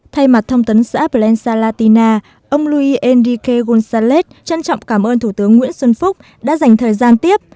thay mặt thông tấn xã plensa latina ông luis enrique gonzález trân trọng cảm ơn thủ tướng nguyễn xuân phúc đã dành thời gian tiếp